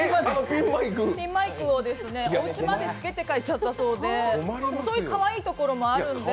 ピンマイクをおうちまでつけて帰っちゃったそうで、そういう、かわいいところもあるので。